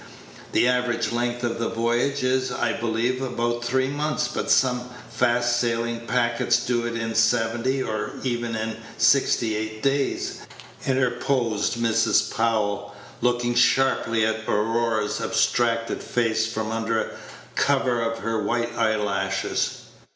"The average length of the voyage is, I believe, about three months; but some fast sailing packets do it in seventy, or even in sixty eight days," interposed Mrs. Powell, looking sharply at Aurora's abstracted face from under cover of her white eyelashes.